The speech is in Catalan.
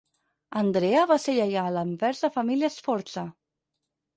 Andrea va ser lleial envers la família Sforza.